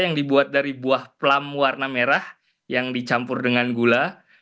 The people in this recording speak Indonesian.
yang dibuat dari buah plam warna merah yang dicampur dengan gula